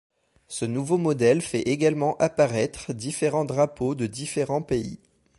Ce nouveau modèle fait également apparaître différents drapeaux de différents pays.